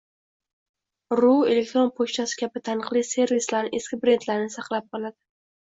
ru elektron pochtasi kabi taniqli servislari eski brendlarini saqlab qoladi